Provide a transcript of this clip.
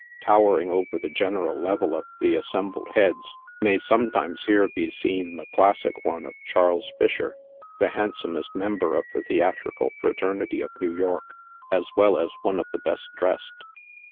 Towering over the general level of the assembled heads, may sometimes here be seen the classic one of Charles Fisher — the handsomest member of the theatrical fraternity of New York, as well as one of the best dressed.